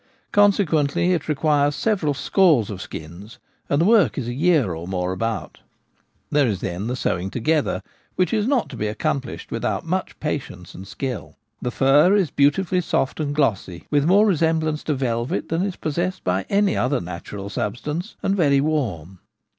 Consequently it requires several scores of skins, and the work is a year or more about There is then the sewing together, which is not to be accom plished without much patience and skilL The fur is beautifully soft and glossy, with more resemblance to velvet than is possessed by any other natural sub stance, and very warm.